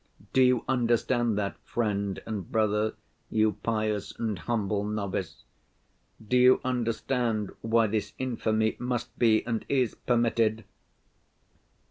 Do you understand that, friend and brother, you pious and humble novice? Do you understand why this infamy must be and is permitted?